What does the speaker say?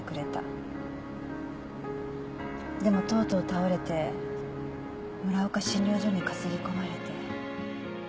でもとうとう倒れて村岡診療所に担ぎ込まれて。